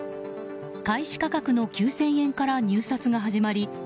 開始価格の９０００円から入札が始まり